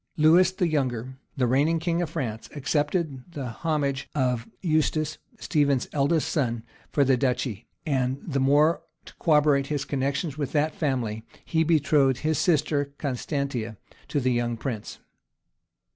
Lewis the younger, the reigning king of France, accepted the homage of Eustace, Stephen's eldest son, for the duchy; and the more to corroborate his connections with that family, he betrothed his sister Constantia to the young prince.